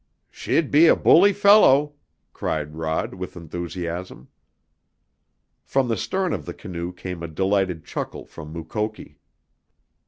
"She'd be a bully fellow!" cried Rod with enthusiasm. From the stern of the canoe came a delighted chuckle from Mukoki.